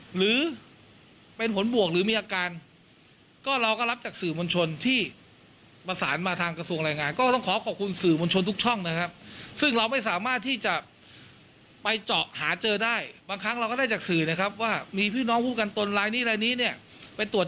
หรือการป่วยแต่ยังหาที่รักษาไม่ได้เราได้เคสอย่างงี้อีกมา